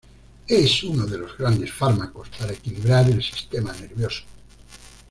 Es uno de los grandes fármacos para equilibrar el sistema nervioso.